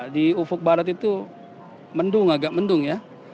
di ufuk barat itu mendung agak mendung ya